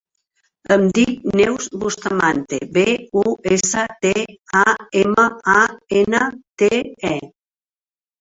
Em dic Neus Bustamante: be, u, essa, te, a, ema, a, ena, te, e.